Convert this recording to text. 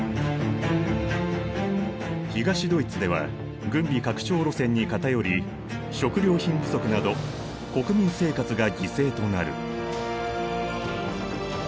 東ドイツでは軍備拡張路線に偏り食料品不足など国民生活が犠牲となる。